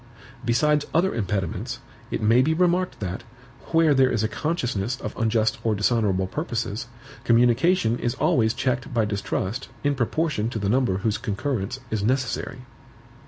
Besides other impediments, it may be remarked that, where there is a consciousness of unjust or dishonorable purposes, communication is always checked by distrust in proportion to the number whose concurrence is necessary.